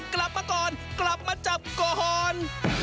กลับมาก่อนกลับมาจับก่อน